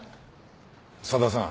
佐田さん